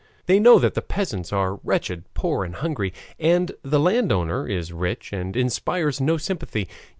They know that the peasants are wretched, poor, and hungry, and the landowner is rich and inspires no sympathy.